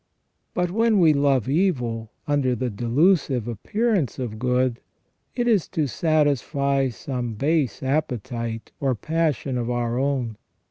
But when we love evU, under the delusive appearance of good, it is to satisfy some base appetite or passion of our own.